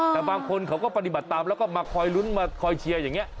แต่บางคนเขาก็ปฏิบัติตามแล้วก็มาคอยลุ้นมาคอยเชียร์อย่างนี้